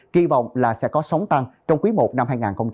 kỳ vọng là sẽ có sống tăng trong quý i năm hai nghìn hai mươi ba